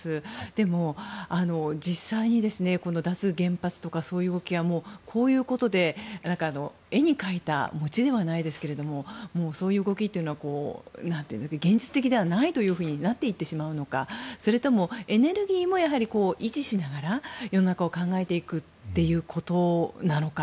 でも、実際に脱原発とかそういう動きがこういうことで絵に描いた餅ではないですけれどもそういう動きは、現実的ではないとなっていってしまうのかそれともエネルギーも維持しながら世の中を考えていくということなのか。